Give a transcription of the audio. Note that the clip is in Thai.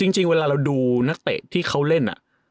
จริงเวลาเราดูนักเตะที่เขาเล่น